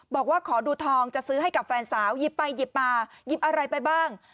บอกว่าขอดูทองจะซื้อให้กับแฟนสาวหยิบไปหยิบมาหยิบอะไรไปบ้าง